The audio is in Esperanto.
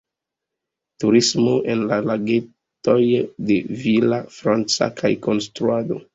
Turismo en la Lagetoj de Villafranca kaj konstruado.